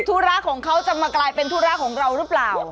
ธุระของเขาจะมากลายเป็นธุระของเราหรือเปล่า